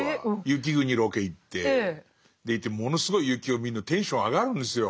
雪国ロケ行ってでいてものすごい雪を見るのテンション上がるんですよ